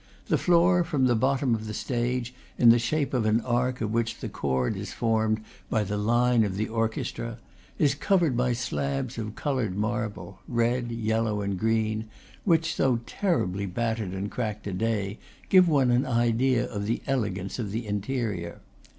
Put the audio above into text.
The floor, from the bottom of the stage, in the shape of an arc of which the chord is formed by the line of the orchestra, is covered by slabs of colored marble red, yellow, and green which, though terribly battered and cracked to day, give one an idea of the elegance of the interior.